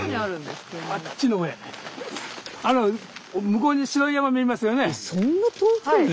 向こうに白い山見えますよね。